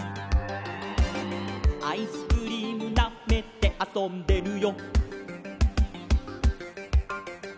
「アイスクリームなめてあそんでるよ」